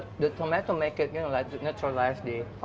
tapi tomatnya membuatnya naturalisasi